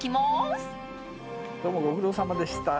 どうもご苦労さまでした。